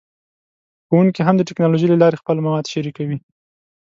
ښوونکي هم د ټیکنالوژۍ له لارې خپل مواد شریکوي.